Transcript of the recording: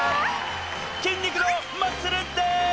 筋肉のマッスルンです！